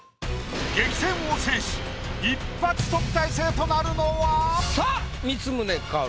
激戦を制し一発特待生となるのは⁉さあ光宗薫か？